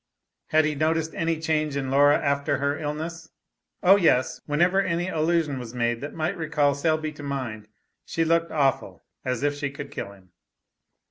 Had he noticed any change in Laura after her illness? Oh, yes. Whenever, any allusion was made that might recall Selby to mind, she looked awful as if she could kill him.